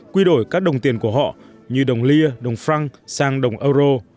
quy đổi các đồng tiền của họ như đồng lya đồng franc sang đồng euro